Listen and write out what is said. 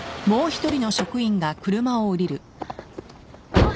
あっ。